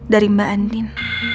dari mbak andin